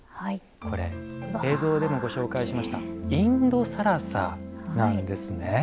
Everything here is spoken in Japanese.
これ映像でもご紹介しましたインド更紗なんですね。